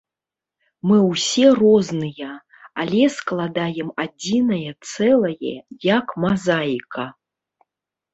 Мы ўсе розныя, але складаем адзінае цэлае, як мазаіка.